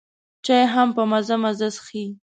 چای هم په مزه مزه څښي.